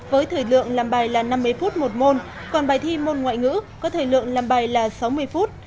với thời lượng làm bài là năm mươi phút một môn còn bài thi môn ngoại ngữ có thời lượng làm bài là sáu mươi phút